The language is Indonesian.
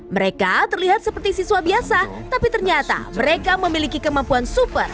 mereka terlihat seperti siswa biasa tapi ternyata mereka memiliki kemampuan super